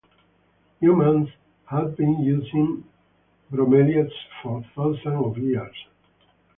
Humans have been using bromeliads for thousands of years.